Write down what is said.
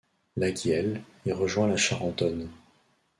La Guiel y rejoint la Charentonne.